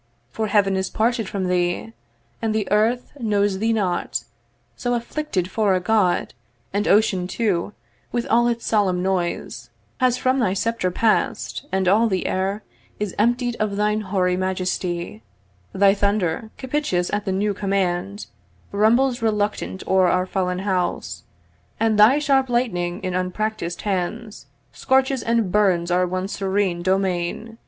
'For Heaven is parted from thee, and the Earth 'Knows thee not, so afflicted, for a God; 'And Ocean too, with all its solemn noise, 'Has from thy sceptre pass'd, and all the air 'Is emptied of thine hoary majesty: 'Thy thunder, captious at the new command, 'Rumbles reluctant o'er our fallen house; 'And thy sharp lightning, in unpracticed hands, 'Scorches and burns our once serene domain.